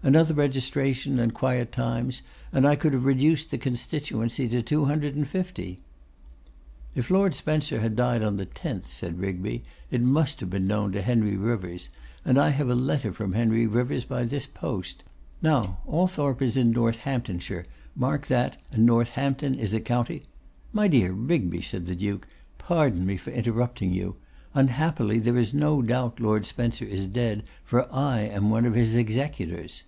'Another registration and quiet times, and I could have reduced the constituency to two hundred and fifty.' 'If Lord Spencer had died on the 10th,' said Rigby, 'it must have been known to Henry Rivers. And I have a letter from Henry Rivers by this post. Now, Althorp is in Northamptonshire, mark that, and Northampton is a county ' 'My dear Rigby,' said the Duke, 'pardon me for interrupting you. Unhappily, there is no doubt Lord Spencer is dead, for I am one of his executors.